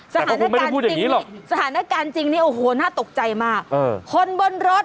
สถานการณ์จริงนี้สถานการณ์จริงนี้โอ้โฮน่าตกใจมากคุณไม่ได้พูดอย่างนี้หรอก